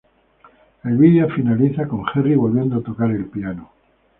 El video finaliza con Henry volviendo a tocar el piano.